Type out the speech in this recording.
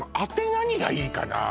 何がいいかな？